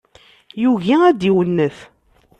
Yugi ad d-iwennet.